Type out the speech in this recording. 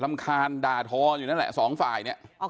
ลำคาญดาทออยู่นั่นแหละ๒ฝ่ายเนี่ย